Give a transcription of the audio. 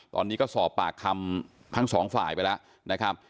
ตอนนี้ก็สอบปากคำทั้งสองฝ่ายไปแล้วนะครับ